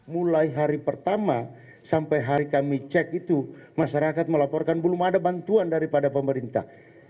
mulai hari pertama sampai hari kami cek itu masyarakat melaporkan belum ada bantuan daripada pemerintah